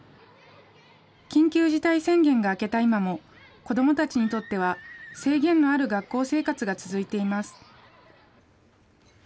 緊急事態宣言が明けた今も、子どもたちにとっては制限のある学校生活が続いています。